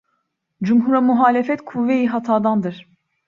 Cumhura muhalefet kuvve-i hatadandır.